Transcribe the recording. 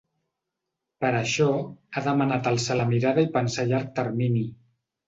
Per això, ha demanat alçar la mirada i pensar a llarg termini.